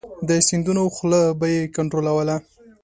د سیندونو خوله به یې کنترولوله.